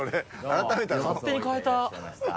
勝手に変えた。